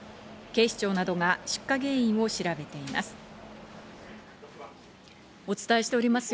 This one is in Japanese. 警視庁などが出火原因を詳しく調べています。